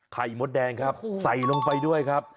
มดแดงครับใส่ลงไปด้วยครับ